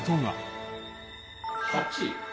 ８。